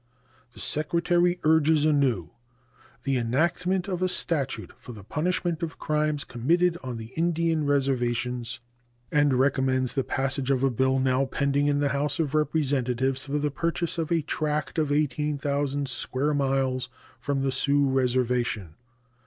The Secretary urges anew the enactment of a statute for the punishment of crimes committed on the Indian reservations, and recommends the passage of the bill now pending in the House of Representatives for the purchase of a tract of 18,000 square miles from the Sioux Reservation.